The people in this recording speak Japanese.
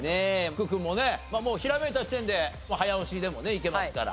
福君もねもうひらめいた時点で早押しでもねいけますから。